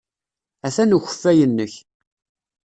Atan ukeffay-nnek.